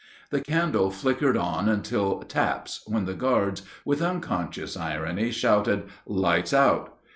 The candle flickered on until "taps," when the guards, with unconscious irony shouted, "Lights out!"